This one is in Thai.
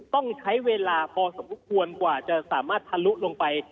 ต้องใช้เวลาพอสมควรกว่าจะสามารถทะลุลงไป